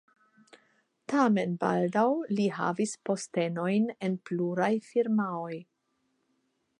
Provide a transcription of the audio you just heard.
Tamen baldaŭ li havis postenojn en pluraj firmaoj.